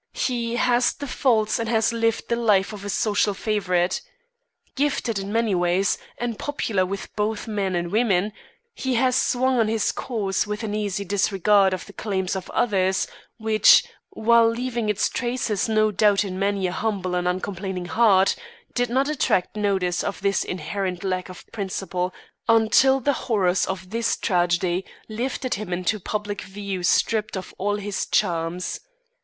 He has the faults and has lived the life of a social favourite. Gifted in many ways, and popular with both men and women, he has swung on his course with an easy disregard of the claims of others, which, while leaving its traces no doubt in many a humble and uncomplaining heart, did not attract notice to his inherent lack of principle, until the horrors of this tragedy lifted him into public view stripped of all his charms.